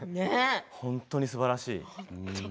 本当にすばらしい。